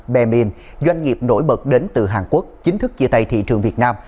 bermin doanh nghiệp nổi bật đến từ hàn quốc chính thức chia tay thị trường việt nam